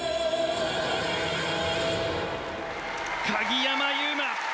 鍵山優真